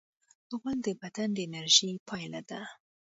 غول د بدن د انرژۍ پایله ده.